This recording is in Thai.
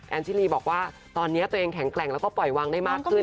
ชิลีบอกว่าตอนนี้ตัวเองแข็งแกร่งแล้วก็ปล่อยวางได้มากขึ้น